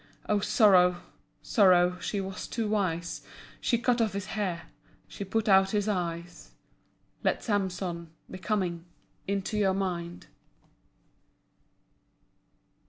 Oh sorrow, Sorrow, She was too wise. She cut off his hair, She put out his eyes. Let Samson Be coming Into your mind.